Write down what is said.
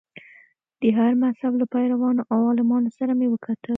د هر مذهب له پیروانو او عالمانو سره مې وکتل.